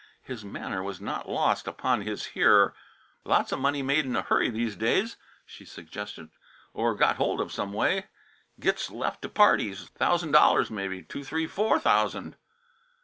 His manner was not lost upon his hearer. "Lots of money made in a hurry, these days," she suggested, "or got hold of some way gits left to parties thousand dollars, mebbe two, three, four thousand?"